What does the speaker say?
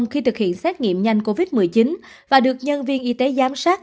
khi thực hiện xét nghiệm nhanh covid một mươi chín và được nhân viên y tế giám sát